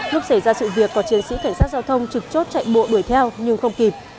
lúc xảy ra sự việc có chiến sĩ cảnh sát giao thông trực chốt chạy bộ đuổi theo nhưng không kịp